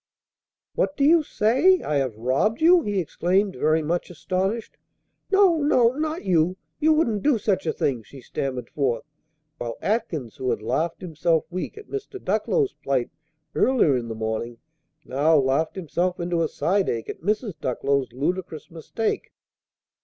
"What do you say? I have robbed you?" he exclaimed, very much astonished. "No, no! not you! You wouldn't do such a thing!" she stammered forth, while Atkins, who had laughed himself weak at Mr. Ducklow's plight earlier in the morning, now laughed himself into a side ache at Mrs. Ducklow's ludicrous mistake.